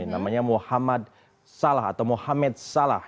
namanya muhammad salah atau mohamed salah